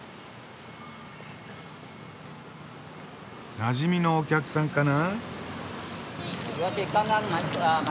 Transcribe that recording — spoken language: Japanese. なじみのお客さんかな？